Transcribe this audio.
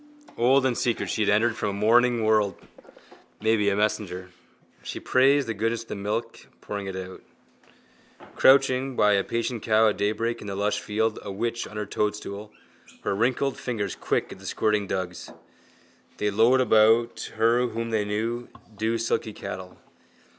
Old and secret she had entered from a morning world, maybe a messenger. She praised the goodness of the milk, pouring it out. Crouching by a patient cow at daybreak in the lush field, a witch on her toadstool, her wrinkled fingers quick at the squirting dugs. They lowed about her whom they knew, dewsilky cattle.